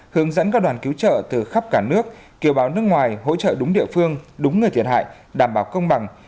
hướng dẫn các đoàn cứu trợ từ khắp cả nước kêu báo nước ngoài hỗ trợ đúng địa phương đúng người thiệt hại đảm bảo công bằng